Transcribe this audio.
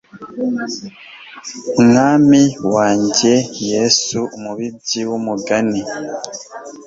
Mwami wanjye Yesu umubibyi wamugani